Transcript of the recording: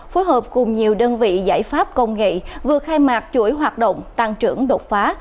phối hợp cùng nhiều đơn vị giải pháp công nghệ vừa khai mạc chuỗi hoạt động tăng trưởng đột phá